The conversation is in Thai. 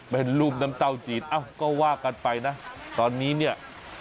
เป็นรูปน้ำเต้าจีนเอ้าก็ว่ากันไปนะตอนนี้เนี่ย